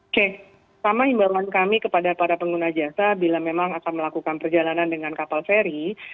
oke sama himbawan kami kepada para pengguna jasa bila memang akan melakukan perjalanan dengan kapal feri